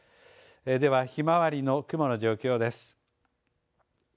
ではひまわりの雲の状況です。